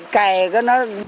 kè cái nó